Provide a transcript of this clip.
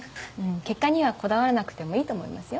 結果にはこだわらなくてもいいと思いますよ。